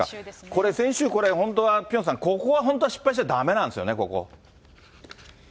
これ、先週、本当はピョンさん、ここは本当は失敗しちゃだめなんですよね、ここ。